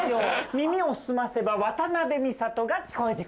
耳を澄ませば渡辺美里が聴こえて来る。